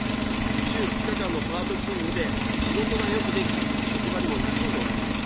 週２日間のパート勤務で、仕事がよくでき、職場にもなじんでおられました。